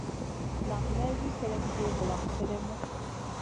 Nan may wi sèlèm ɗi vulan sélèmu.